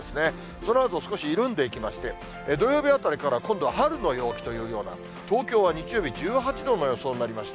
そのあと少し緩んでいきまして、土曜日あたりから今度は春の陽気というような、東京は日曜日１８度の予想になりました。